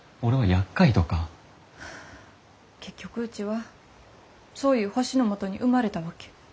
結局うちはそういう星のもとに生まれたわけ。